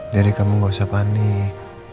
jadi kamu gak usah panik